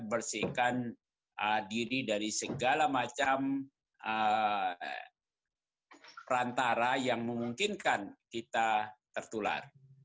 bersihkan diri dari segala macam perantara yang memungkinkan kita tertular